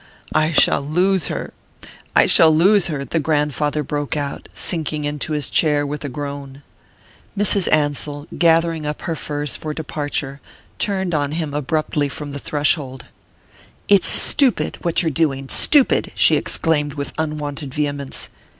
"I shall lose her I shall lose her!" the grandfather broke out, sinking into his chair with a groan. Mrs. Ansell, gathering up her furs for departure, turned on him abruptly from the threshold. "It's stupid, what you're doing stupid!" she exclaimed with unwonted vehemence.